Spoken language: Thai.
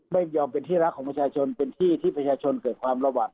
ไม่ยอมเป็นที่รักของประชาชนเป็นที่ที่ประชาชนเกิดความระหวัด